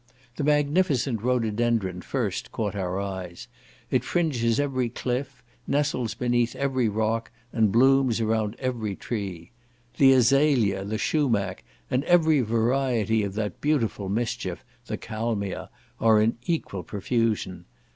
The magnificent rhododendron first caught our eyes; it fringes every cliff, nestles beneath every rock, and blooms around every tree. The azalia, the shumac, and every variety of that beautiful mischief, the kalmia, are in equal profusion.